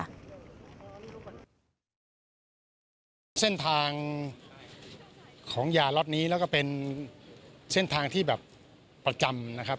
เส้นทางของยาล็อตนี้แล้วก็เป็นเส้นทางที่แบบประจำนะครับ